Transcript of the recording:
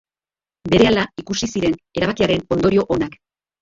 Berehala ikusi ziren erabakiaren ondorio onak.